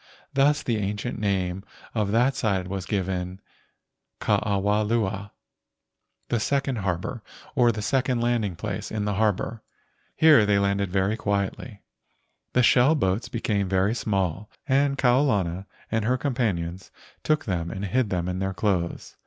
Thus the ancient name of that side was given Ke awa lua (the second harbor, or the second landing place in the harbor). Here they landed very quietly. The shell boats be¬ came very small and Kau lana and her com¬ panions took them and hid them in their clothes.